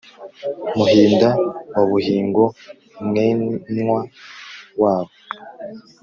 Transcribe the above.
muhinda wa buhingo, mwenw wabo